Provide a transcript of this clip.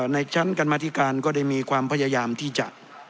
ในชั้นกรรมธิการก็ได้มีความพยายามที่จะ